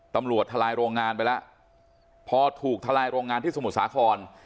ทลายโรงงานไปแล้วพอถูกทลายโรงงานที่สมุทรสาคร